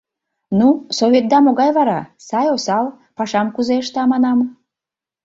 — Ну, советда могай вара: сай, осал, пашам кузе ышта, манам?